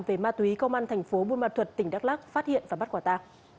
về ma túy công an thành phố buôn ma thuật tỉnh đắk lắc phát hiện và bắt quả ta